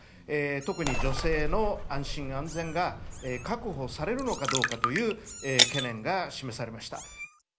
特に女性の安心安全が確保されるのかどうかという懸念が示されました。